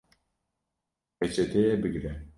Peçeteyê bigre